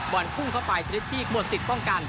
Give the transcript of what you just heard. บอลพุ่งเข้าไปชนิดที่หมดสิทธิ์ป้องกัน